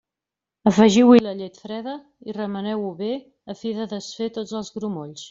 Afegiu-hi la llet freda i remeneu-ho bé a fi de desfer tots els grumolls.